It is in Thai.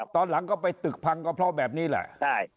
ตอนหลังก็ไปตึกพังก็เพราะแบบนี้แหละ